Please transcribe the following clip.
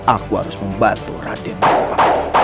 aku harus membantu raden dan kita